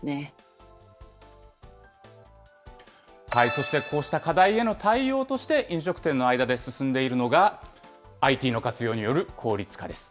そして、こうした課題への対応として、飲食店の間で進んでいるのが、ＩＴの活用による効率化です。